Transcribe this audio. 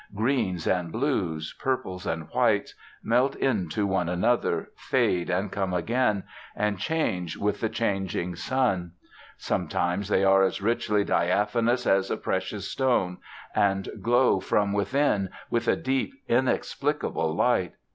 Greens and blues, purples and whites, melt into one another, fade, and come again, and change with the changing sun. Sometimes they are as richly diaphanous as a precious stone, and glow from within with a deep, inexplicable light.